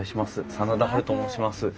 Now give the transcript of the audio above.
真田ハルと申します。